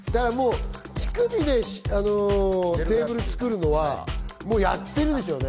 乳首でテーブルを作るのはもうやっているんでしょうね。